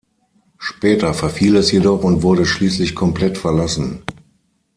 Später verfiel es jedoch und wurde schließlich komplett verlassen.